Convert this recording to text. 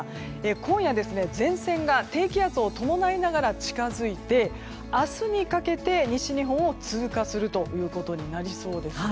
今夜、前線が低気圧を伴いながら近づいて明日にかけて西日本を通過するということになりそうです。